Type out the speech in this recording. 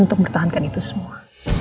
untuk bertahankan itu semua